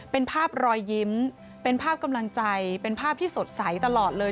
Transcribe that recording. เป็นภาพรอยยิ้มเป็นภาพกำลังใจเป็นภาพที่สดใสตลอดเลย